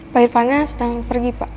pak irfan nya sedang pergi pak